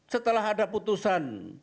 setelah ada putusan